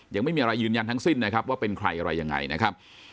ยังไม่มีอะไรยืนยันทั้งสิ้นนะครับว่าเป็นใครอะไรยังไงนะครับ